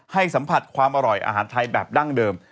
สัมผัสความอร่อยอาหารไทยแบบดั้งเดิม